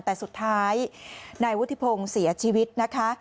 แต่สุดท้ายนายวุฒิพงศ์เสียชีวิตนะคะ